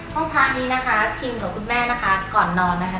ห้องพระนี้นะคะพิมกับคุณแม่นะคะก่อนนอนนะคะ